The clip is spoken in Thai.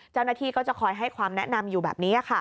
เจ้าหน้าที่ก็จะคอยให้ความแนะนำอยู่แบบนี้